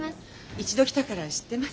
一度来たから知ってます。